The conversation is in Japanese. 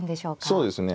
そうですね。